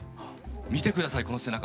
見て下さいこの背中。